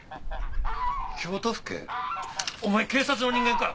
お前警察の人間か！